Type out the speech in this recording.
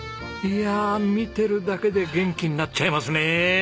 いや見てるだけで元気になっちゃいますね。